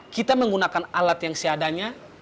kita menggunakan alat yang seadanya